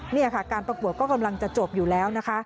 นี่ค่ะการประกวดก็กำลังจะจบอยู่แล้วนะคะ